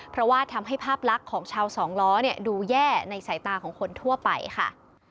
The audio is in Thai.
เพราะว่าทำให้ภาพลักษณ์ของชาวสองล้อดูแย่ในสายตาของคนทั่วไปค่ะ